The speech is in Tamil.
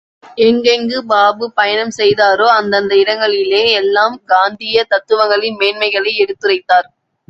எங்கெங்கு பாபு பயணம் செய்தாரோ, அந்தந்த இடங்களிலே எல்லாம் காந்தீய தத்துவங்களின் மேன்மைகளை எடுத்துரைத்தார்.